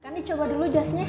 kan dicoba dulu jazznya